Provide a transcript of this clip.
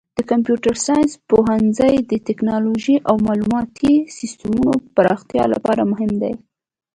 د کمپیوټر ساینس پوهنځی د تکنالوژۍ او معلوماتي سیسټمونو پراختیا لپاره مهم دی.